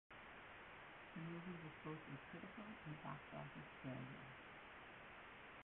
The movie was both a critical and box office failure.